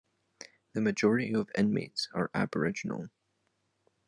The majority of inmates are Aboriginal.